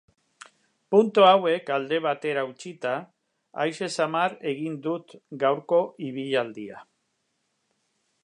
Puntu hauek alde batera utzita, aise samar egin dut gaurko ibilaldia.